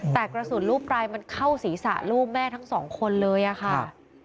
แต่กระสุนลูกปลายมันเข้าศีรษะลูกแม่ทั้งสองคนเลยค่ะ